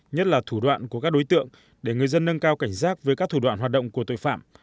nhất là thủ đoạn của các đối tượng để người dân nâng cao cảnh giác với các thủ đoạn hoạt động của tội phạm